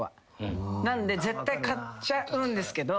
なんで絶対買っちゃうんですけど。